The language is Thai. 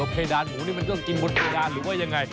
เพดานหมูนี่มันก็กินบนเพดานหรือว่ายังไง